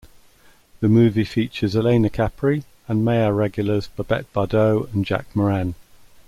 The movie features Alaina Capri and Meyer regulars Babette Bardot and Jack Moran.